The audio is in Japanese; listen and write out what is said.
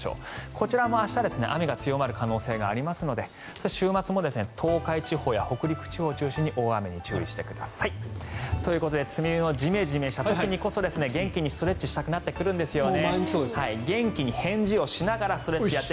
こちらも明日雨が強まる可能性がありますので週末も東海地方や北陸地方を中心に大雨に注意してください。ということで梅雨のジメジメした時にこそ元気にストレッチしたくなってくるんですよね。